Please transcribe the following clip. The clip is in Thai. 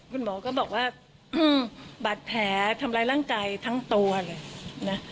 คุณหมอก็บอกว่าบาดแผลทำร้ายร่างกายทั้งตัวเลยนะ